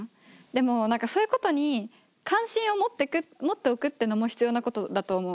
でもそういうことに関心を持っておくっていうのも必要なことだと思う。